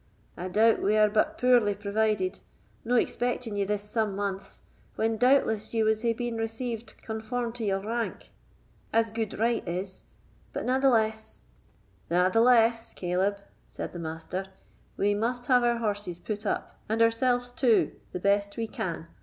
I doubt we are but puirly provided, no expecting ye this some months, when doubtless ye was hae been received conform till your rank, as gude right is; but natheless——" "Natheless, Caleb," said the Master, "we must have our horses put up, and ourselves too, the best way we can.